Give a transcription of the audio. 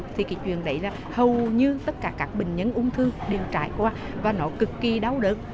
thì cái chuyện đấy là hầu như tất cả các bệnh nhân ung thư đều trải qua và nó cực kỳ đau đớt